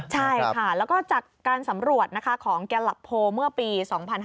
ใช่ค่ะแล้วก็จากการสำรวจของแกหลับโพเมื่อปี๒๕๕๙